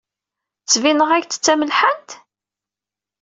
Ttbineɣ-ak-d d tamelḥant?